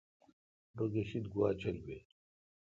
رو گیشد گوا چول بیل۔